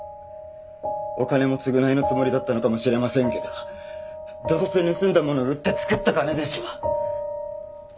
お金も償いのつもりだったのかもしれませんけどどうせ盗んだものを売って作った金でしょ！